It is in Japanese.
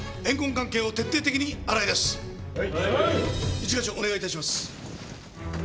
一課長お願い致します。